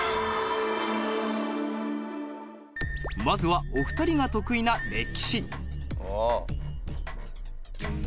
まずはお二人が得意な歴史。